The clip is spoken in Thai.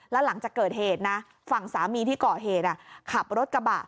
แล้วหลังจากเกิดเหตุนะฝั่งสามีที่ก่อเหตุขับรถกระบะ